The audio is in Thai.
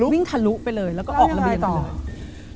วิ่งทะลุไปเลยแล้วก็ออกระเบียงไปเลย